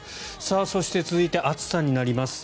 そして続いて暑さになります。